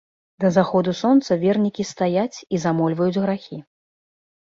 Да заходу сонца вернікі стаяць і замольваюць грахі.